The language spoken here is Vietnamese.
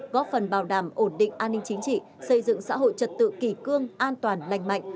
góp phần bảo đảm ổn định an ninh chính trị xây dựng xã hội trật tự kỷ cương an toàn lành mạnh